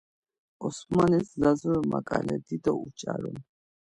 Osmanis Lazuri makale dido uç̌arun.